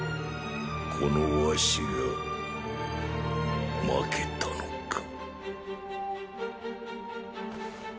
この儂が負けたのか。